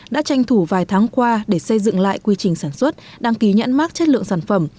đã tranh thủ vài tháng qua để xây dựng lại quy trình sản xuất đăng ký nhãn mát chất lượng sản phẩm